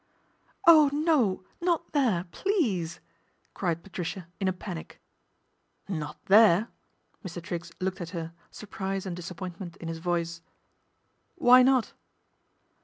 " Oh, no, not there, please !" cried Patricia, in a panic. " Not there !" Mr. Triggs looked at her, sur prise and disappointment in his voice. ' Why not